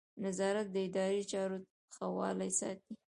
نظارت د اداري چارو ښه والی ساتي.